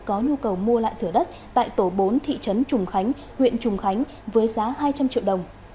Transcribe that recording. có nhu cầu mua lại thửa đất tại tổ bốn thị trấn trùng khánh huyện trùng khánh với giá hai trăm linh triệu đồng